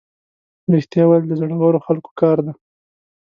رښتیا ویل د زړورو خلکو کار دی.